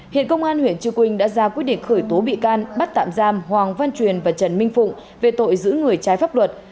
hiện công an huyện trư quynh đã ra quyết định khởi tố bị can bắt tạm giam hoàng văn truyền và trần minh phụng về tội giữ người trái pháp luật